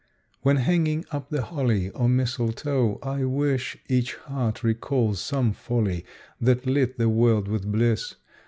When hanging up the holly or mistletoe, I wis Each heart recalls some folly that lit the world with bliss.